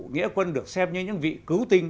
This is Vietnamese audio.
nghĩa quân được xem như những vị cứu tinh